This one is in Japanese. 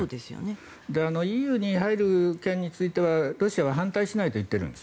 ＥＵに入る件についてはロシアは反対しないと言っているんです。